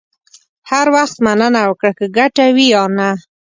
هر وخت مننه وکړه، که ګټه وي یا نه.